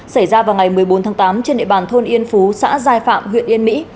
xảy ra vào ngày một mươi bốn tháng tám trên địa bàn thôn yên phú xã giai phạm huyện yên mỹ